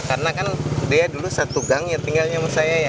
karena kan dia dulu satu gang yang tinggalnya sama saya ya